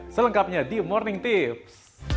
selengkapnya di morning tips